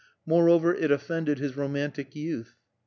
Moreover it offended his romantic youth.